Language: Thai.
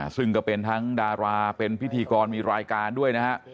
ซึ่งก็เป็นทั้งดาราเป็นพิธีกรมีรายการด้วยนะฮะ